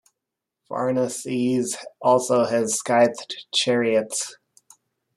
Pharnaces also had scythed chariots.